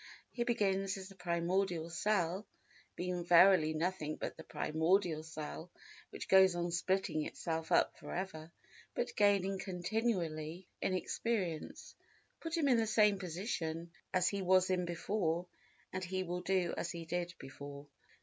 He begins as the primordial cell—being verily nothing but the primordial cell which goes on splitting itself up for ever, but gaining continually in experience. Put him in the same position as he was in before and he will do as he did before.